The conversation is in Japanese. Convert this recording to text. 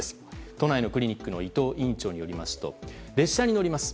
都内のクリニックの伊藤院長によりますと列車に乗ります。